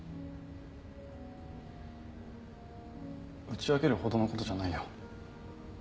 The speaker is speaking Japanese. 打ち明けるほどのことじゃないよ。